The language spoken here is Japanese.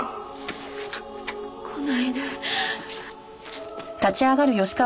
来ないで。